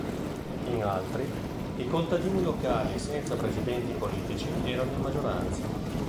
In altri, i contadini locali senza precedenti politici erano in maggioranza.